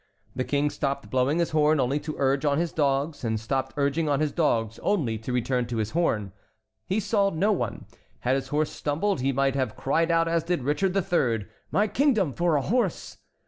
The King stopped blowing his horn only to urge on his dogs, and stopped urging on his dogs only to return to his horn. He saw no one. Had his horse stumbled, he might have cried out as did Richard III.: "My kingdom for a horse!"